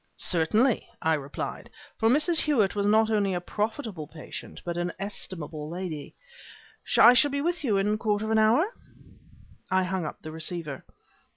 "Certainly," I replied, for Mrs. Hewett was not only a profitable patient but an estimable lady "I shall be with you in a quarter of an hour." I hung up the receiver.